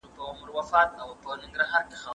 ¬ تر ملاغې ئې لاستی دروند سو.